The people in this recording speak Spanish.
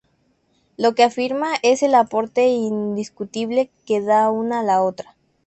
Lo que afirma es el aporte indiscutible que da una a la otra".